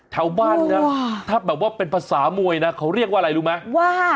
แถวบ้านนะถ้าแบบว่าเป็นภาษามวยนะเขาเรียกว่าอะไรรู้ไหมว่า